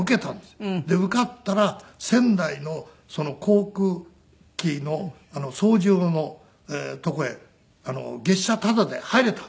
受かったら仙台の航空機の操縦のとこへ月謝タダで入れた。